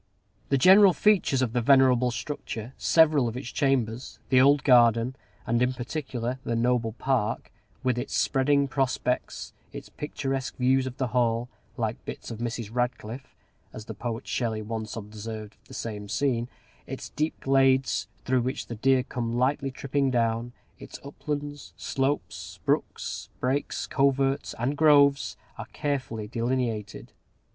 The general features of the venerable structure, several of its chambers, the old garden, and, in particular, the noble park, with its spreading prospects, its picturesque views of the Hall, "like bits of Mrs. Radcliffe," as the poet Shelley once observed of the same scene, its deep glades, through which the deer come lightly tripping down, its uplands, slopes, brooks, brakes, coverts, and groves, are carefully delineated.